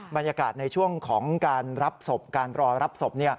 บรรยากาศในช่วงการรับศพรอรับศพ